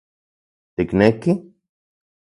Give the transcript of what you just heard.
Tikneki...?